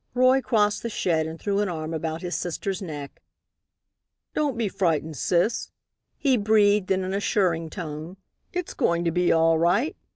Roy crossed the shed and threw an arm about his sister's neck. "Don't be frightened, sis," he breathed in an assuring tone, "it's going to be all right.